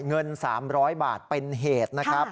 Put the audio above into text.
เงิน๓๐๐บาทเป็นเหตุนะครับ